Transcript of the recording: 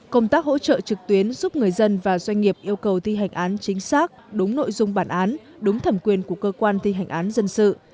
công tác hỗ trợ trực tuyến giúp người dân và doanh nghiệp yêu cầu thi hành án chính xác đúng nội dung bản án đúng thẩm quyền của cơ quan thi hành án dân sự